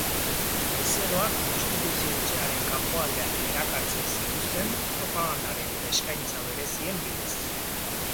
Bezeroak prostituzio-etxearen kanpoaldean erakartzen zituzten propagandaren eta eskaintza berezien bidez.